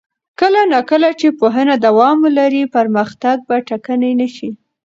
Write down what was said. کله نا کله چې پوهنه دوام ولري، پرمختګ به ټکنی نه شي.